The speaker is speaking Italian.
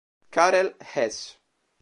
Karel Hes